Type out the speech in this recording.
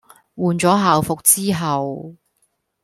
換咗校服之後